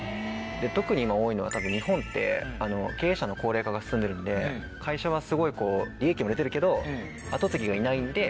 特に今多いのはたぶん日本って経営者の高齢化が進んでるんで会社はすごい利益も出てるけど後継ぎがいないんで。